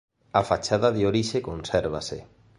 A fachada de orixe consérvase.